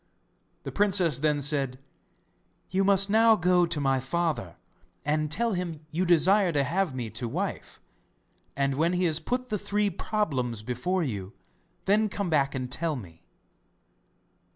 The princess then said: 'You must now go to my father, and tell him you desire to have me to wife, and when he has put the three problems before you, then come back and tell me.